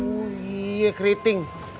oh iya keriting